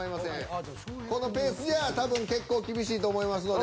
このペースじゃあ多分結構厳しいと思いますので。